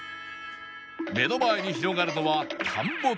目の前に広がるのは田んぼと山